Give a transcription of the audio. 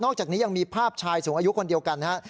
จากนี้ยังมีภาพชายสูงอายุคนเดียวกันนะครับ